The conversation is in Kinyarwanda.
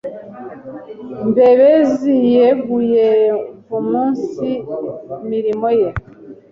Mbebezi yeguyevumunsi mirimo ye